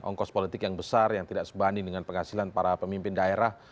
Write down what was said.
ongkos politik yang besar yang tidak sebanding dengan penghasilan para pemimpin daerah